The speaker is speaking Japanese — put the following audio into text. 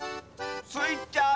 スイちゃん